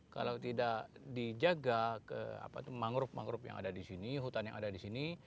kalau tidak dijaga ke apa itu mangrove manggrove yang ada di sini hutan hutan hutan